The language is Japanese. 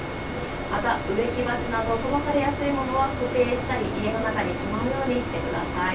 また、植木鉢など飛ばされやすいものは固定したり、家の中にしまうようにしてください。